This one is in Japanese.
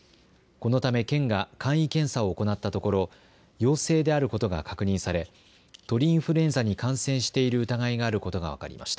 このため、県が簡易検査を行ったところ、陽性であることが確認され、鳥インフルエンザに感染している疑いがあることが分かりました。